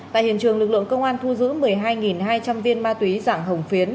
tại hiện trường lực lượng công an thu giữ một mươi hai hai trăm linh viên ma túy dạng hồng phiến